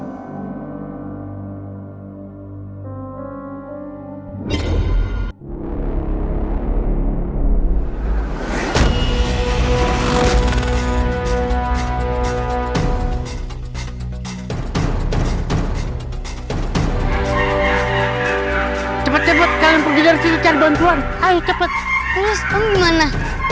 hai cepet cepet kalian pergi dari sini cari bantuan ayo cepet terus kemana